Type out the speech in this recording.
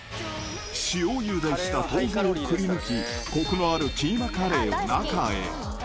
塩ゆでした豆腐をくりぬき、こくのあるキーマカレーを中へ。